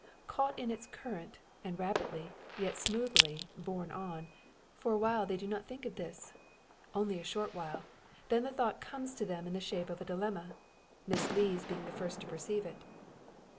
Caught in its current, and rapidly, yet smoothly, borne on, for awhile they do not think of this. Only a short while; then the thought comes to them in the shape of a dilemma Miss Lees being the first to perceive it.